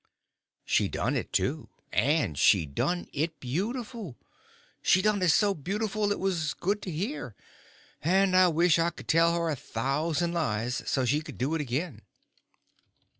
She done it, too; and she done it beautiful. She done it so beautiful it was good to hear; and I wished I could tell her a thousand lies, so she could do it again.